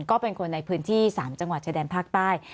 ก็เป็นคนในพื้นที่๓จังหวัดชายแดนภาคใต้